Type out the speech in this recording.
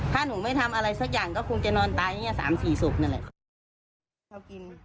ถ้าหนูไม่ทำอะไรสักอย่างก็คงจะนอนตายอย่างนี้๓๔ศพนั่นแหละ